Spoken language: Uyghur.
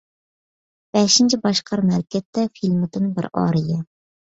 «بەشىنچى باشقارما ھەرىكەتتە» فىلىمىدىن بىر ئارىيە.